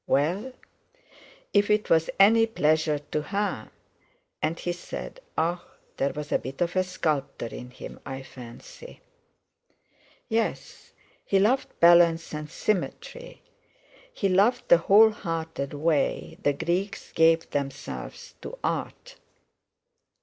Well! If it was any pleasure to her! And he said: "Ah! There was a bit of the sculptor in him, I fancy." "Yes. He loved balance and symmetry; he loved the whole hearted way the Greeks gave themselves to art."